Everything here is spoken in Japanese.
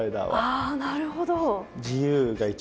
ああなるほど。